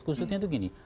kusutnya itu begini